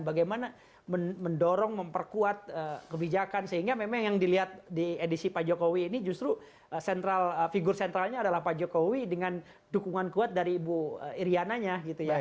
bagaimana mendorong memperkuat kebijakan sehingga memang yang dilihat di edisi pak jokowi ini justru sentral figur sentralnya adalah pak jokowi dengan dukungan kuat dari ibu iryananya gitu ya